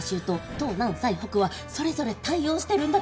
東南西北はそれぞれ対応してるんだから。